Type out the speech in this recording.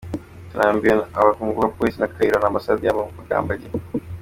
Turambiwe agakungu ka Polisi ya Kayihura n’ambassade ya Mugambage!